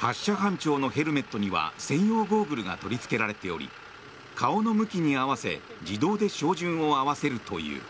発射班長のヘルメットには専用ゴーグルが取りつけられており顔の向きに合わせ自動で照準を合わせるという。